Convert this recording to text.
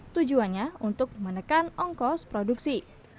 tujuannya untuk menekan ongkos produksi